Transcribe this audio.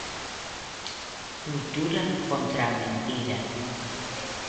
Cultura contra a mentira.